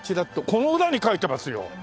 この裏に描いてますよ。